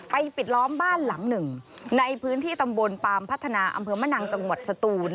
ปิดล้อมบ้านหลังหนึ่งในพื้นที่ตำบลปามพัฒนาอำเภอมะนังจังหวัดสตูน